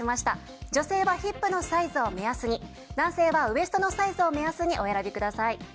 女性はヒップのサイズを目安に男性はウエストのサイズを目安にお選びください。